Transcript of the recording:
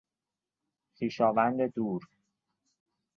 خویشاوند دور